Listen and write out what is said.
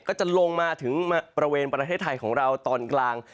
ก็จะลงมาถึงบริเวณประเทศไทยของเราตอนกลาง